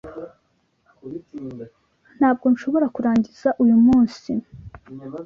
Ntabwo nshobora kurangiza uyu munsi.